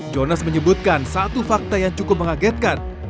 jonas menyebutkan satu fakta yang cukup mengagetkan